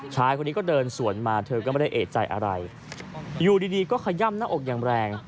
ชายคนนี้ก็เดินสวนมาเธอก็ไม่ได้เอกใจอะไรอยู่ดีดีก็ขย่ำหน้าอกอย่างแรง